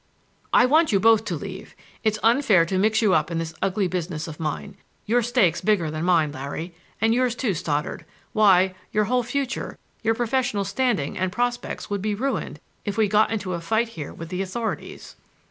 "I want you both to leave. It's unfair to mix you up in this ugly business of mine. Your stake's bigger than mine, Larry. And yours, too, Stoddard; why, your whole future—your professional standing and prospects would be ruined if we got into a fight here with the authorities."